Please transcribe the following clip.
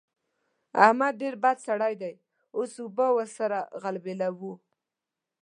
احمد ډېر بد سړی دی؛ اوس اوبه ور سره غلبېلوو.